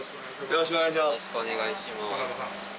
よろしくお願いします。